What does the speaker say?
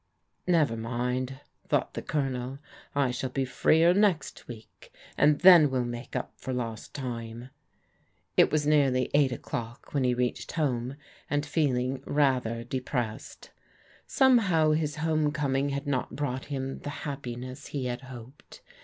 " Never mind," thought the Colonel, " I shall be f r next week, and then we'll make up for lost time." it was nearly eight o'clock when he reached home, 2 feeling rather depressed. Somehow his home corn had not brought him the happiness he had hoped.